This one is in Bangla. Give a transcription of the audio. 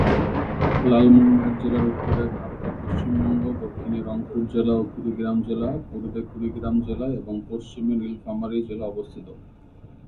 লালমনিরহাট জেলার উত্তরে ভারতের পশ্চিমবঙ্গ, দক্ষিণে রংপুর জেলা ও কুড়িগ্রাম জেলা, পূর্বে কুড়িগ্রাম জেলা এবং পশ্চিমে নীলফামারী জেলা অবস্থিত।